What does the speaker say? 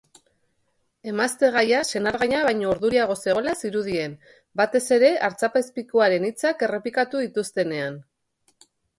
Emaztegaia senargaia baino urduriago zegoela zirudien, batez ere artzapezpikuaren hitzak errepikatu dituztenean.